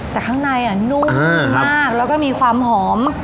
แต่ข้างในนุ่มมากแล้วก็มีความหอม